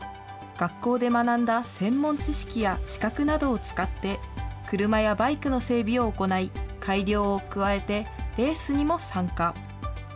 学校で学んだ専門知識や資格などを使って、車やバイクの整備を行い、改良を加えて、レースにも参加。